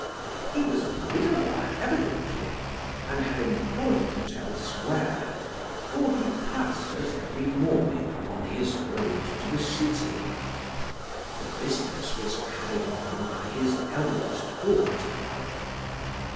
He was a widower evidently, and had employment elsewhere, for he passed us every morning on his road to the City. The business was carried on by his eldest daughter.